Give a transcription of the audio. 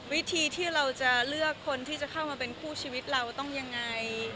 วิธีที่เราจะเลือกคนที่จะเข้ามาเป็นคู่ชีวิตเราต้องยังไง